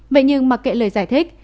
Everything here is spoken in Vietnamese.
vậy nhưng mặc kệ lời giải thích